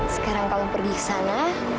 sekarang kamu pergi ke sana